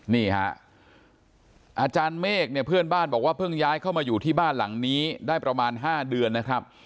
นี่ฮะอาจารย์เมฆเนี่ยเพื่อนบ้านบอกว่าเพิ่งย้ายเข้ามาอยู่ที่บ้านหลังนี้ได้ประมาณ๕เดือนนะครับ